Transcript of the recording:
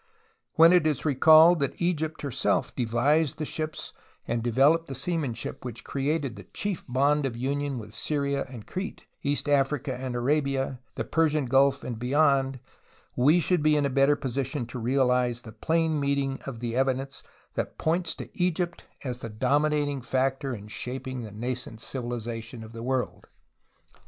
When it is recalled that Egypt herself devised the ships and developed the seamanship which created the chief bond of union with Syria and Crete, East Africa and Arabia, the Persian Gulf and beyond, we should be in a better position to realize the plain meaning of the evidence that points to Egypt as the dominating factor in shaping the nascent civilization of the world.